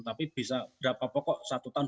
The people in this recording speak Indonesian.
tapi bisa berapa pokok satu tahun